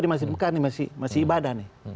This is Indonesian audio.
dia masih di mekah nih masih ibadah nih